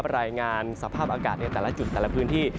รายงานสภาพอากาศในแต่ละจุดแต่ละพื้นที่